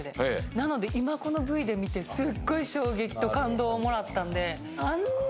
なので今このＶで見てすごい衝撃と感動をもらったんで。